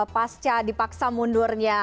pasca dipaksa mundurnya